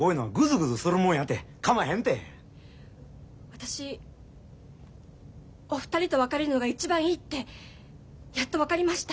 私お二人と別れるのが一番いいってやっと分かりました。